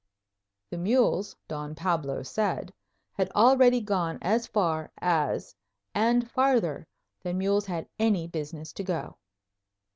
The mules, Don Pablo said, had already gone as far as and farther than mules had any business to go.